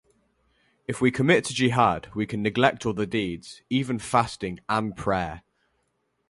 If we commit to Jihad, we can neglect other deeds, even fasting and prayer.